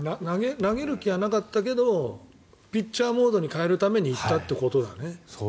投げる気はなかったけどピッチャーモードに変えるために行ったということだね。